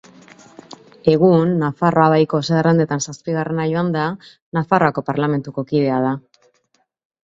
Egun, Nafarroa Baiko zerrendetan zazpigarrena joanda, Nafarroako Parlamentuko kidea da.